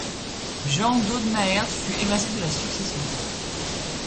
Jean d'Audenaerde fut évincé de la succession.